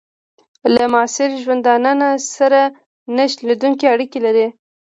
له معاصر ژوندانه سره نه شلېدونکي اړیکي لري.